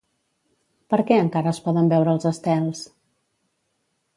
Per què encara es poden veure els estels?